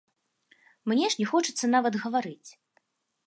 Мне ж не хочацца нават гаварыць.